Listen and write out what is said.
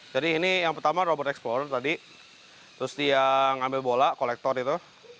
jadi ini yang pertama robot explorer tadi terus dia ngambil bola kolektor itu